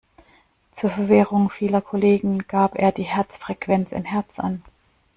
Zur Verwirrung vieler Kollegen, gab er die Herzfrequenz in Hertz an.